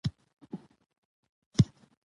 "تذکرة الاولیا" دپښتو لومړۍ تذکره ده.